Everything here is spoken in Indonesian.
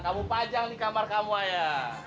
kamu pajang di kamar kamu ya